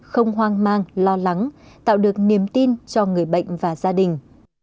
không hoang mang lo lắng tạo được niềm tin cho người bệnh và gia đình